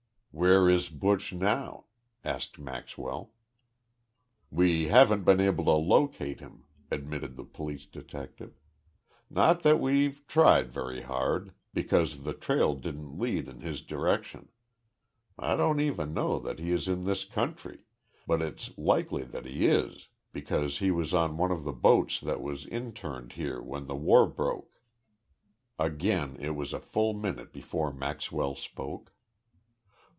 "Where is Buch now?" asked Maxwell. "We haven't been able to locate him," admitted the police detective. "Not that we've tried very hard, because the trail didn't lead in his direction. I don't even know that he is in this country, but it's likely that he is because he was on one of the boats that was interned here when the war broke." Again it was a full minute before Maxwell spoke.